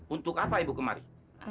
untuk apa ibu kemari